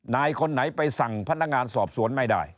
นายคนไหนไปสั่งพนักงานสอบสวนไม่ได้